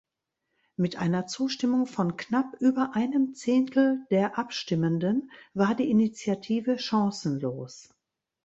Mit einer Zustimmung von knapp über einem Zehntel der Abstimmenden war die Initiative chancenlos.